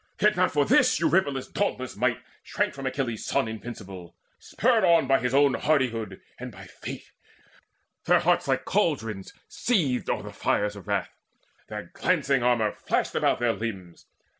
Yet not for this Eurypylus' dauntless might Shrank from Achilles' son invincible, On spurred by his own hardihood and by Fate. Their hearts like caldrons seethed o'er fires of wrath, Their glancing armour flashed about their limbs.